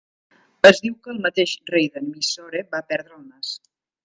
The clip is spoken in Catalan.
Es diu que el mateix rei de Mysore va perdre el nas.